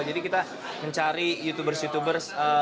jadi kita mencari youtubers youtubers